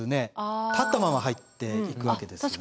立ったまま入っていくわけですよね。